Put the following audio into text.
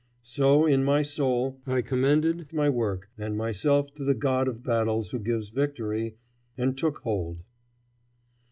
So in my soul I commended my work and myself to the God of battles who gives victory, and took hold.